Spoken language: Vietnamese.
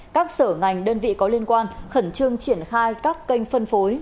các sở ngành đơn vị có liên quan khẩn trương triển khai các kênh phân phối